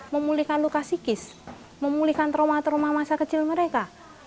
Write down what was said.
memulihkan luka psikis memulihkan trauma trauma masa kecil mereka